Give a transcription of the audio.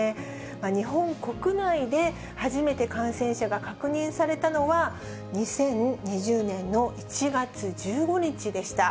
日本国内で初めて感染者が確認されたのは、２０２０年の１月１５日でした。